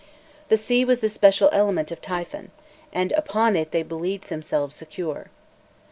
The sea was the special element of Typhon, and upon it they believed themselves secure.